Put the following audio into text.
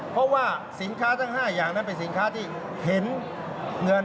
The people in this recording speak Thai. เพราะว่าสินค้าทั้ง๕อย่างนั้นเป็นสินค้าที่เห็นเงิน